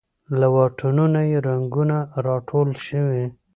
له واټونو یې رنګونه راټول شوې